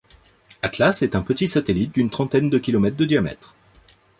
Atlas est un petit satellite d'une trentaine de kilomètres de diamètre.